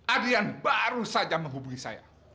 adrian baru saja menghubungi saya